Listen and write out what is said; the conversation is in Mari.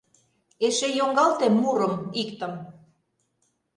Эше йоҥгалте «мурым» иктым.